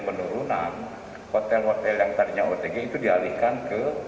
penurunan hotel hotel yang tadinya otg itu dialihkan ke